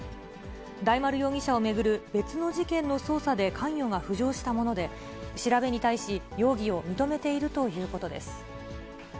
大丸容疑者を巡る別の事件の捜査で関与が浮上したもので、調べに対し、容疑を認めているということです。